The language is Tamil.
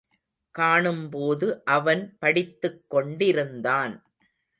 காணும்போது அவன் படித்துக்கொண்டிருந்தான்.